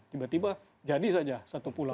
tiba tiba jadi saja satu pulau